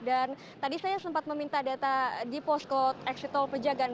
dan tadi saya sempat meminta data di postcode exit tol pejagaan